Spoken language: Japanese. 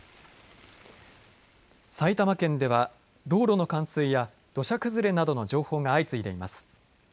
埼玉県では道路の冠水や土砂崩れなどの情報が相次いでいます。